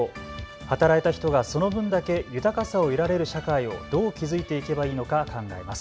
働いた人がその分だけ豊かさを得られる社会をどう築いていけばいいのか考えます。